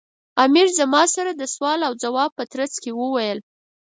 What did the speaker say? امیر زما سره د سوال و ځواب په ترڅ کې وویل.